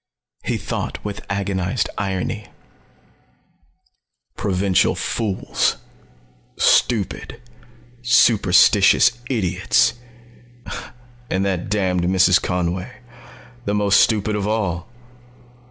He thought with agonized irony: "Provincial fools. Stupid, superstitious idiots ... and that damned Mrs. Conway the most stupid of all.